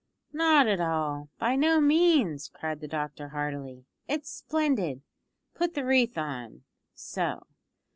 "Not at all; by no means," cried the doctor heartily. "It's splendid. Put the wreath on so.